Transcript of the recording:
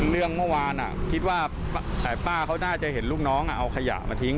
เรื่องเมื่อวานคิดว่าป้าเขาน่าจะเห็นลูกน้องเอาขยะมาทิ้ง